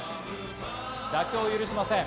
妥協を許しません。